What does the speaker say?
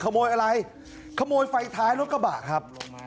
ขโมยอะไรขโมยไฟท้ายรถกระบะครับ